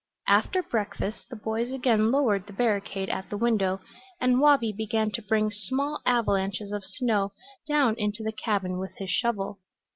After breakfast the boys again lowered the barricade at the window and Wabi began to bring small avalanches of snow down into the cabin with his shovel.